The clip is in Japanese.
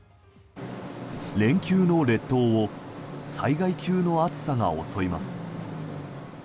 連休の列島を災害級の暑さが襲います。